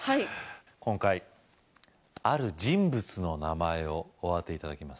今回ある人物の名前をお当て頂きます